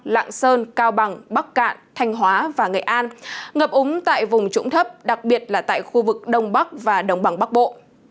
lạng sơn cao bằng bắc cạn thanh hóa và nghệ an ngập úng tại vùng trũng thấp đặc biệt là tại khu vực đông bắc và đồng bằng bắc bộ